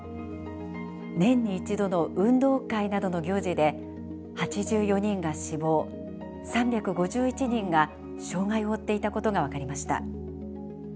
年に一度の運動会などの行事で８４人が死亡３５１人が障害を負っていたことが分かりました。